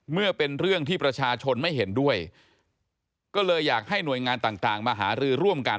เมื่อเป็นเรื่องที่ประชาชนไม่เห็นด้วยก็เลยอยากให้หน่วยงานต่างมาหารือร่วมกัน